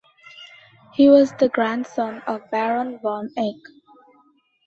He was the grandson of Baron von Ek.